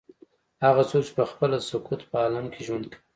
هغه څوک چې پخپله د سکوت په عالم کې ژوند کوي.